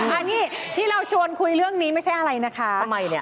อันนี้ที่เราชวนคุยเรื่องนี้ไม่ใช่อะไรนะคะ